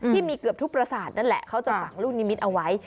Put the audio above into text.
ที่มีเกือบทุกประสาทนั่นแหละเขาจะฝังลูกนิมิตเอาไว้